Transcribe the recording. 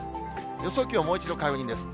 予想気温、もう一度、確認です。